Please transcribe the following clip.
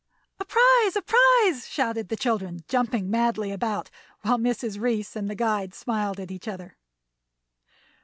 "A prize, a prize!" shouted the children, jumping madly about, while Mrs. Reece and the guide smiled at each other.